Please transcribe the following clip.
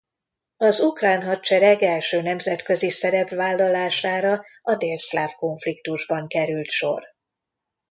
Az ukrán hadsereg első nemzetközi szerepvállalására a délszláv konfliktusban került sor.